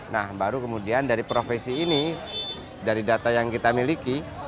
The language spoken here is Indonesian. nah baru kemudian dari profesi ini dari data yang kita miliki